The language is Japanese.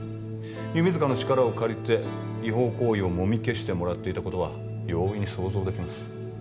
弓塚の力を借りて違法行為をもみ消してもらっていたことは容易に想像できます